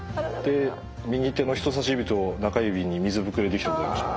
で右手の人さし指と中指に水ぶくれできたことありましたね。